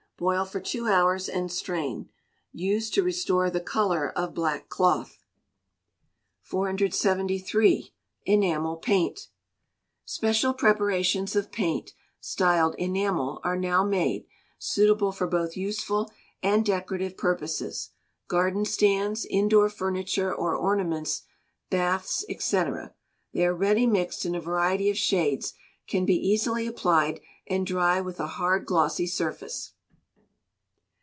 Boil for two hours, and strain. Use to restore the colour of black cloth. 473. Enamel Paint Special preparations of paint, styled "enamel," are now made, suitable for both useful and decorative purposes garden stands, indoor furniture or ornaments, baths, &c. They are ready mixed in a variety of shades, can be easily applied, and dry with a hard glossy surface.